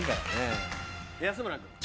安村君。